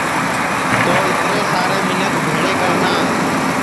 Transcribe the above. تو اِترے سارے منکھ بھیݪے کرنا